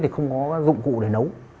thì không có dụng cụ để nấu